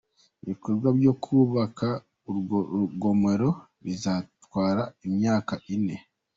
Ibikorwa byo kubaka urwo rugomero bizatwara imyaka ine.